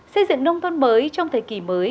xây dựng nông thôn mới trong thời kỳ mới